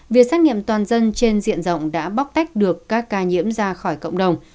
việc xét nghiệm toàn dân trên diện rộng đã bóc tách được các ca nhiễm ra khỏi cộng đồng